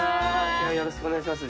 よろしくお願いします。